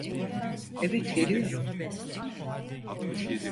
Evet, geliyorum.